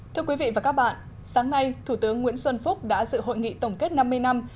thưa quý vị và các bạn sáng nay thủ tướng nguyễn xuân phúc đã dự hội nghị tổng kết năm mươi năm